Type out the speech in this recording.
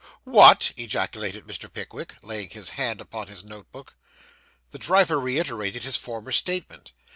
'What!' ejaculated Mr. Pickwick, laying his hand upon his note book. The driver reiterated his former statement.